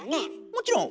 もちろん。